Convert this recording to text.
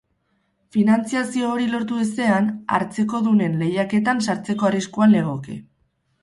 Finantziazio hori lortu ezean, hartzekodunen lehiaketan sartzeko arriskuan legoke.